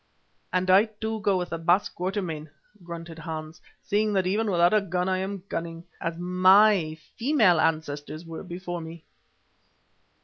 "And I, too, go with the Baas Quatermain," grunted Hans, "seeing that even without a gun I am cunning, as my female ancestors were before me."